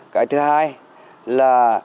cái thứ hai là